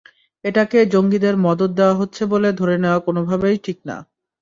এটাকে জঙ্গিদের মদদ দেওয়া হচ্ছে বলে ধরে নেওয়া কোনোভাবেই ঠিক নয়।